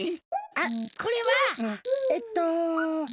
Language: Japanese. あっこれはえっと。